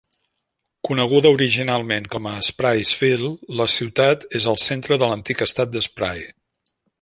Coneguda originalment com a Spry's Field, la ciutat és al centre de l'antic estat de Spry.